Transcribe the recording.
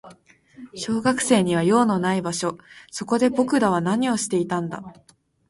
小学生には用のない場所。そこで僕らは何をしていたんだ。